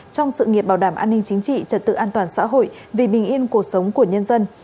trong sự nghiệp bảo đảm an ninh chính trị trật tự an toàn xã hội vì bình yên cuộc sống của nhân dân